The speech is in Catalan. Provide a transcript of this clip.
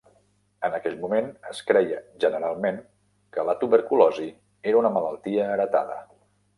En aquell moment, es creia generalment que la tuberculosi era una malaltia heretada.